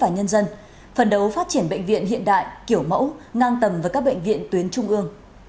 các bộ chiến sĩ và nhân dân phần đấu phát triển bệnh viện hiện đại kiểu mẫu ngang tầm với các bệnh viện tuyến trung ương